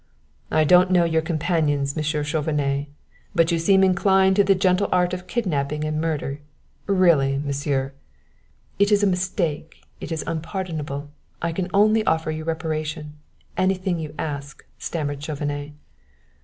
"I don't know your companions, Monsieur Chauvenet, but you seem inclined to the gentle arts of kidnapping and murder. Really, Monsieur " "It is a mistake! It is unpardonable! I can only offer you reparation anything you ask," stammered Chauvenet.